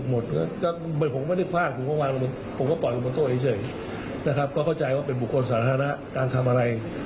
ก็เข้าใจว่าเป็นบุคคลสาธารณะการทำอะไร